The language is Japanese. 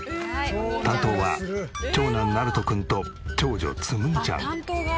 担当は長男なると君と長女つむぎちゃん。